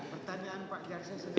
ya petanian pak jaksa sendiri